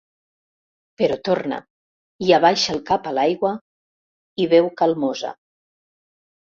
Però torna, i abaixa el cap a l'aigua, i beu calmosa.